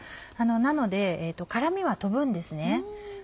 なので辛みは飛ぶんですね。